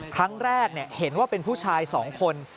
ครั้งแรกเห็นว่าเป็นผู้ชาย๒คน